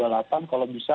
ada pertanian juga